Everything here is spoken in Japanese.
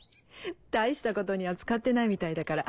大したことには使ってないみたいだから。